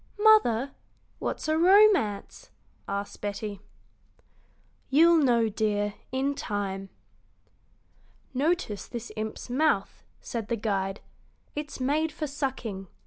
"Mother, what's a romance?" asked Betty. "You'll know, dear, in time." "Notice this imp's mouth," said the guide. "It's made for sucking.